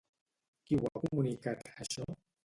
Qui ho ha comunicat, això?